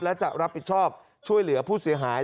และจะรับผิดชอบช่วยเหลือผู้เสียหาย